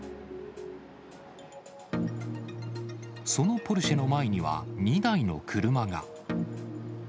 そのポルシェの前には、２台の車が。